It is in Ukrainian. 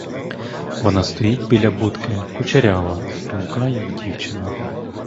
Вона стоїть біля будки, кучерява, струнка, як дівчина.